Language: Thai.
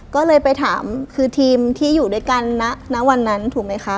ก็เลยไปถามคือทีมที่อยู่ด้วยกันณวันนั้นถูกไหมคะ